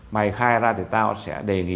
mày khai ra thì tao sẽ đề nghị